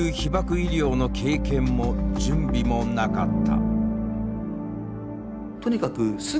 医療の経験も準備もなかった。